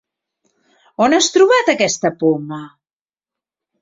On has trobat aquesta poma?